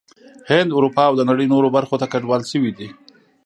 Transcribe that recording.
هند، اروپا او د نړۍ نورو برخو ته کډوال شوي دي